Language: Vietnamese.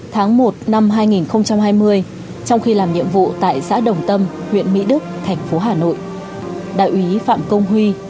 tháng một năm hai nghìn hai mươi trong khi làm nhiệm vụ tại xã đồng tâm huyện mỹ đức thành phố hà nội đại úy phạm công huy